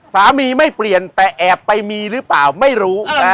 ไม่เปลี่ยนแต่แอบไปมีหรือเปล่าไม่รู้